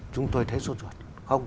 chúng tôi thấy sốt ruột